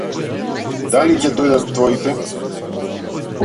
Дали ќе дојдат твоите?